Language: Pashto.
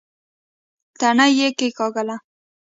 تڼۍ يې کېکاږله.